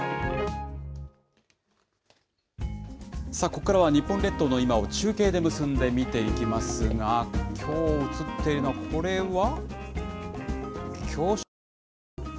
ここからは日本列島の今を中継で結んでみていきますが、きょう映っているのは、これは？